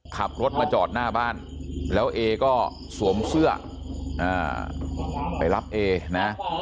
ขับรถมาจอดหน้าบ้านแล้วเอก็สวมเสื้อไปรับเอนะ